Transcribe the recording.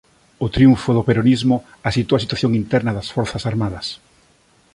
O triunfo do peronismo axitou a situación interna das Forzas Armadas.